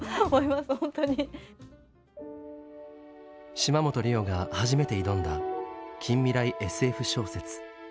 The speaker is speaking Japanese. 島本理生が初めて挑んだ近未来ＳＦ小説。